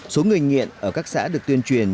số người nghiện ở các xã được tuyên truyền